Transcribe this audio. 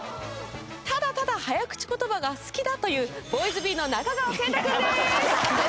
ただただ早口言葉が好きだというＢｏｙｓｂｅの中川惺太君です！